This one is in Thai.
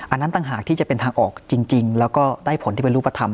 อันนั้นต่างหากที่จะเป็นทางออกจริงแล้วก็ได้ผลที่เป็นรูปธรรม